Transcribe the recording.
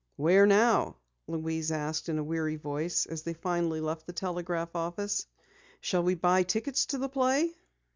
"Where now?" Louise asked in a weary voice as they finally left the telegraph office. "Shall we buy tickets to the play?"